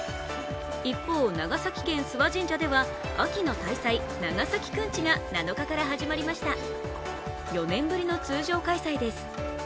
一方、長崎県・諏訪神社では秋の大祭・長崎くんちが７日から始まりました、４年ぶりの通常開催です。